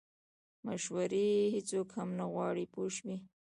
مشورې هیڅوک هم نه غواړي پوه شوې!.